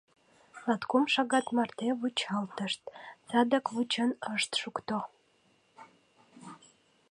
Латкум шагат марте вучалтышт — садак вучен ышт шукто...